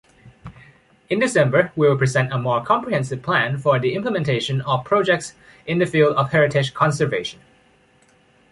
In December, we will present a more comprehensive plan for the implementation of projects in the field of heritage conservation.